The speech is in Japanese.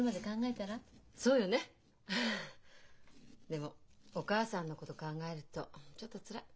でもお義母さんのこと考えるとちょっとつらい。